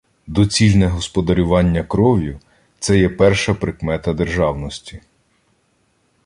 Доцільне господарювання кров'ю — це є перша прикмета державності…